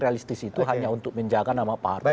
realistis itu hanya untuk menjaga nama pak harto